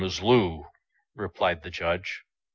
This year," replied the Judge.